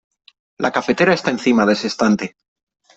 La cafetera está encima de ese estante.